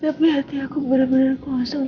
tapi hati aku benar benar kosong